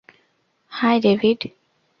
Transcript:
High, David.